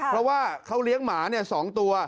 แล้วถ้าคุยกับเราที่เลี้ยงหมาเนี่ย๒ตัว